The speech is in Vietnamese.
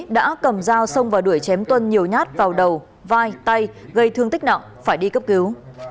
đã cầm dao xông vào đuổi chém tuân nhiều nhát vào đầu vai tay gây thương tích nặng phải đi cấp cứu